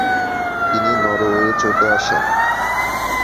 তিনি নরওয়ে চলে আসেন।